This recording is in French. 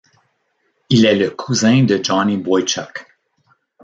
Il est le cousin de Johnny Boychuk.